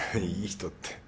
いい人って。